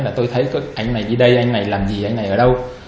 là tôi thấy các anh này đi đây anh này làm gì anh này ở đâu